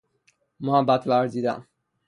محبت ورزیدن